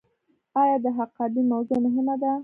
آیا د حقابې موضوع مهمه ده؟